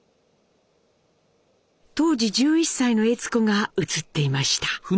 当時１１歳の悦子が映っていました。